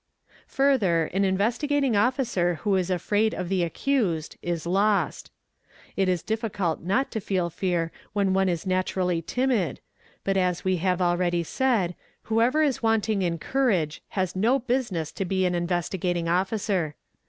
Further an Investigating Officer who is afraid of the accused is lost. It is difficult not to feel fear when one is naturally timid, but as we have "already said, whoever is wanting in courage has no business to be an Investigating Officer.